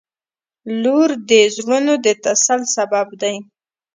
• لور د زړونو د تسل سبب دی.